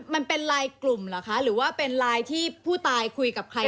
มันเป็นไลน์กลุ่มเหรอคะหรือว่าเป็นไลน์ที่ผู้ตายคุยกับใคร